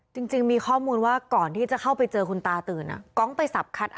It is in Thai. จริงมีข้อมูลว่าก่อนที่จะเข้าไปเจอคุณตาตื่นน่ะ